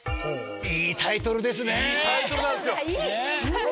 いいタイトルですねぇ。